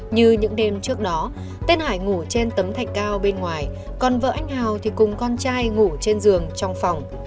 như những đêm trước đó tên hải ngủ trên tấm thạch cao bên ngoài còn vợ anh hào thì cùng con trai ngủ trên giường trong phòng